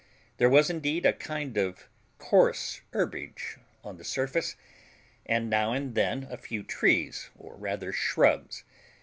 There was indeed a kind of coarse herbage on the surface, and now and then a few trees, or rather shrubs.